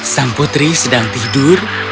sang putri sedang tidur